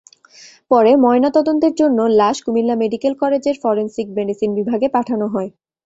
পরে ময়নাতদন্তের জন্য লাশ কুমিল্লা মেডিকেল কলেজের ফরেনসিক মেডিসিন বিভাগে পাঠানো হয়।